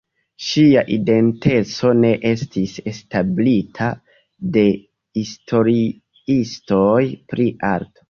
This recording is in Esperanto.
Ŝia identeco ne estis establita de historiistoj pri arto.